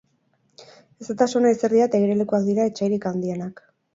Hezetasuna, izerdia eta igerilekuak dira etsairik handienak.